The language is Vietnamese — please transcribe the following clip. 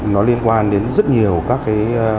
nó liên quan đến rất nhiều các cái